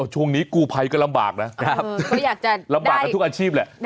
ช่วงนี้กู้ไภก็ลำบากนะลำบากกับทุกอาชีพแหละ